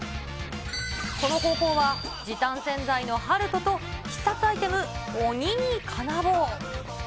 この方法は、時短洗剤のハルトと、必殺アイテム、鬼に金棒。